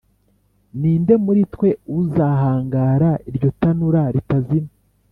Ni nde muri twe uzahangara iryo tanura ritazima?»